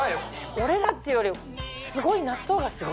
「俺ら」っていうより「すごい納豆」がすごいっていう。